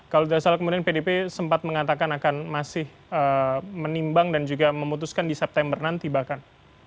kalau tidak salah kemudian pdp sempat mengatakan akan masih menimbang dan juga memutuskan di september nanti bahkan